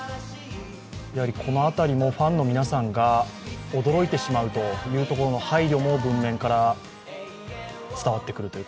この辺りもファンの皆さんが驚いてしまうという配慮も文面から伝わってくるという。